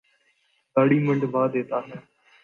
داڑھی منڈوا دیتا ہے۔